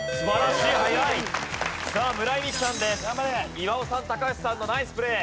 岩尾さん高橋さんのナイスプレー。